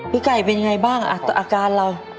พี่ไก่เป็นยังไงบ้างอาการเรา